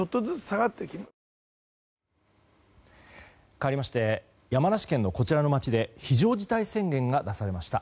かわりまして山梨県のこちらの町で非常事態宣言が出されました。